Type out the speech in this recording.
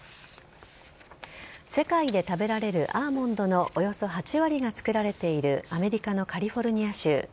世界で食べられるアーモンドのおよそ８割が作られているアメリカのカリフォルニア州。